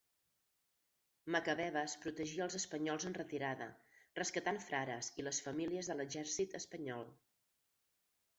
Macabebes protegia els espanyols en retirada, rescatant frares i les famílies de l'Exèrcit espanyol.